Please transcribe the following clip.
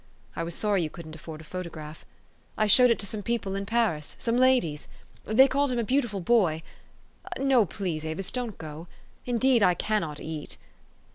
I was sorry you couldn't afford a photograph. I showed it to some people in Paris some ladies. They called him a beautiful boy. No, please, Avis, don't go. Indeed, I can not eat.